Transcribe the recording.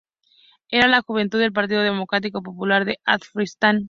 Era la juventud del Partido Democrático Popular de Afganistán.